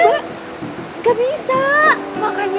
jangan bete gitu dong mukanya ini